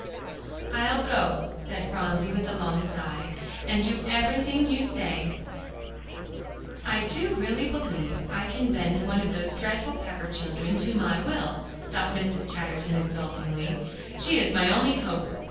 "I'll go," said Phronsie with a long sigh, "and do every thing you say." "I do really believe I can bend one of those dreadful Pepper children to my will," thought Mrs. Chatterton exultingly. "She is my only hope.